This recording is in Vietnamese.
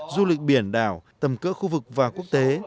du lịch biển đảo tầm cỡ khu vực và quốc tế